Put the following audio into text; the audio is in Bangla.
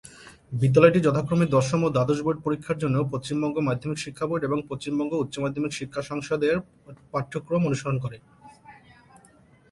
বিদ্যালয়টি যথাক্রমে দশম ও দ্বাদশ বোর্ড পরীক্ষার জন্য পশ্চিমবঙ্গ মাধ্যমিক শিক্ষা বোর্ড এবং পশ্চিমবঙ্গ উচ্চমাধ্যমিক শিক্ষা সংসদের পাঠ্যক্রম অনুসরণ করে।